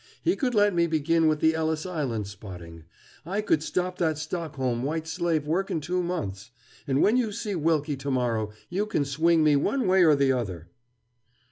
He could let me begin with the Ellis Island spotting. I could stop that Stockholm white slave work in two months. And when you see Wilkie to morrow you can swing me one way or the other!"